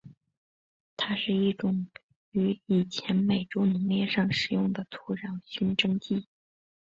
它是一种于以前美洲农业上使用的土壤熏蒸剂。